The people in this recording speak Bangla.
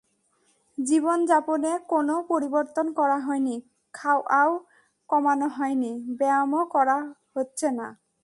জীবনযাপনে কোনো পরিবর্তন করা হয়নি, খাওয়াও কমানো হয়নি, ব্যায়ামও করা হচ্ছে না।